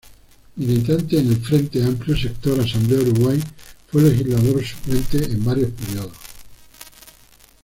Militante en el Frente Amplio, sector Asamblea Uruguay, fue legislador suplente en varios períodos.